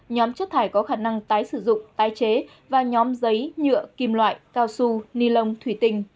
nhóm chất thải có khả năng tái sử dụng tái chế và nhóm giấy nhựa kim loại cao su ni lông thủy tinh